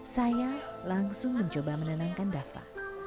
saya langsung mencoba menenangkan dava